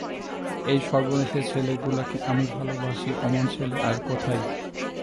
এই সর্বনেশে ছেলেগুলোকে আমি ভালোবাসি– অমন ছেলে আছে কোথায়!